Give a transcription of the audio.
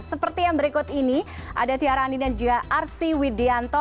seperti yang berikut ini ada tiara andini dan juga arsy widianto